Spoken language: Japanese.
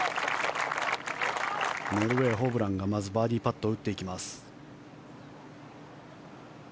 ノルウェー、ホブランがまずバーディーパットを打っていきます。